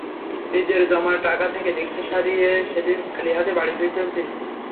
নিজের জমার টাকা থেকে রিকশা সারিয়ে সেদিন খালি হাতে বাড়ি ফিরেছেন তিনি।